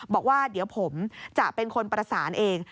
บอกว่าเดี๋ยวผมจะเป็นคนประสานเอง